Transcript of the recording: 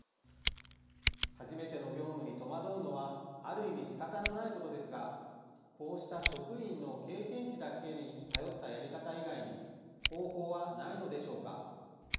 初めての業務に戸惑うのはある意味しかたのないことですがこうした職員の経験値だけに頼ったやり方以外に方法はないのでしょうか。